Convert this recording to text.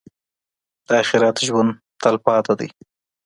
د آخرت ژوند تلپاتې دی.